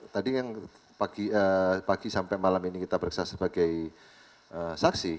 tadi yang pagi sampai malam ini kita periksa sebagai saksi